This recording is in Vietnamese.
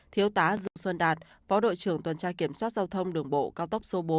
thiếu tá dương xuân đạt phó đội trưởng tuần tra kiểm soát giao thông đường bộ cao tốc số bốn